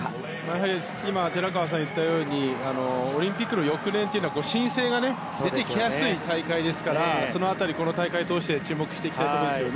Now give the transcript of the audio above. やはり寺川さんが言ったようにオリンピックの翌年は新星が出てきやすい大会ですからその辺り、この大会を通して注目していきたいと思います。